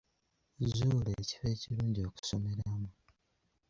Zuula ekifo ekirungi okusomeramu.